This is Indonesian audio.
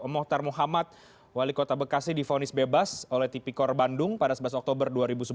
mohtar muhammad wali kota bekasi difonis bebas oleh tipikor bandung pada sebelas oktober dua ribu sebelas